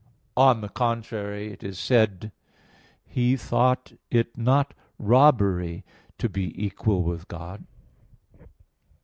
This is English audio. On the contrary, It is said (Phil. 2:6): "He thought it not robbery to be equal with God."